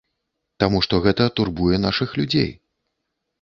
Таму што гэта турбуе нашых людзей.